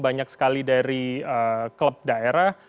banyak sekali dari klub daerah